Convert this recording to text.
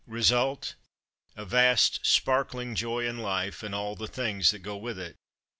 Result : a vast sparkling joy in life, and all the things that go with it.